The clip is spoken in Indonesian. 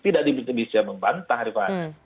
tidak bisa membantah daripada